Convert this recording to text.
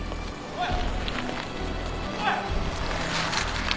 おい！